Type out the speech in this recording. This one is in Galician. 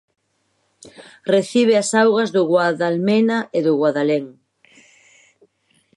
Recibe as augas do Guadalmena e do Guadalén.